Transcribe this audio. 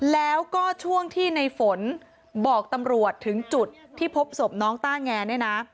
แล้วก็ช่วงที่ในฝนบอกตำรวจถึงจุดที่พบศพน้องต้าแงเนี่ยนะ